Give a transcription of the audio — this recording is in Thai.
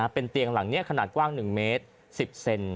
เป็นเตียงหลังนี้ขนาดกว้าง๑เมตร๑๐เซน